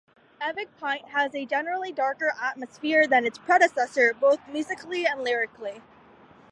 "Evig pint" has a generally darker atmosphere than its predecessor, both musically and lyrically.